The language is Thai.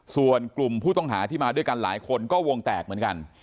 ส่วนกลุ่มผู้ต้องหาที่มาด้วยกันหลายคนก็วงแตกเหมือนกัน